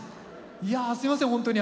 いやすみません本当に。